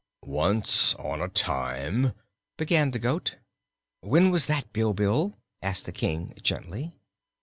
"Once on a time," began the goat. "When was that, Bilbil?" asked the King gently.